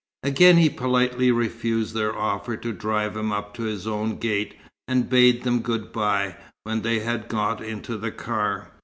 Again he politely refused their offer to drive him up to his own gate, and bade them good bye when they had got into the car.